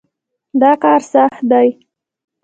دا کار سخت دی.